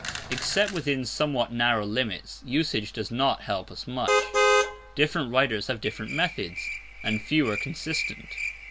_ Except within somewhat narrow limits, usage does not help us much. Different writers have different methods, and few are consistent.